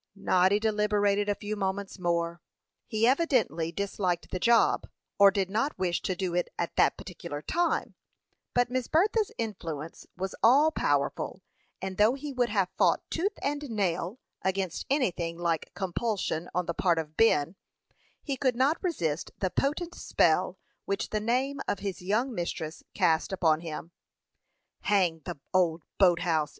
Noddy deliberated a few moments more. He evidently disliked the job, or did not wish to do it at that particular time; but Miss Bertha's influence was all powerful; and though he would have fought, tooth and nail, against anything like compulsion on the part of Ben, he could not resist the potent spell which the name of his young mistress cast upon him. "Hang the old boat house!"